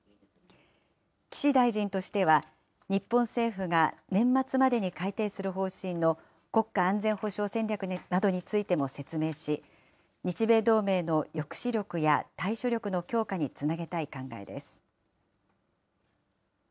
岸大臣としては、日本政府が年末までに改定する方針の国家安全保障戦略などについても説明し、日米同盟の抑止力や対処力の強化につなげたい考えです。